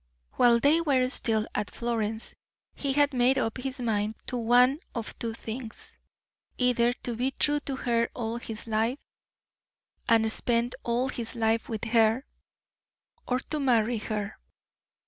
While they were still at Florence, he had made up his mind to one of two things, either to be true to her all his life, and spend all his life with her, or to marry her.